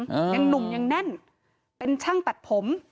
ยังหนุ่มยังแน่นเป็นช่างตัดผม